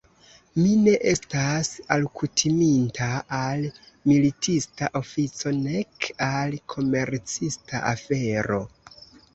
Mi ne estas alkutiminta al militista ofico nek al komercista afero.